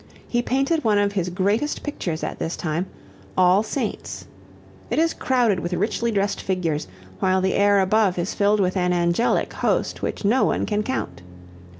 He painted one of his greatest pictures at this time, "All Saints." It is crowded with richly dressed figures, while the air above is filled with an angelic host which no one can count.